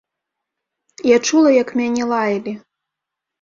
Я чула, як мяне лаялі.